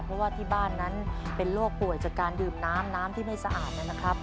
เพราะว่าที่บ้านนั้นเป็นโรคป่วยจากการดื่มน้ำน้ำที่ไม่สะอาดนะครับ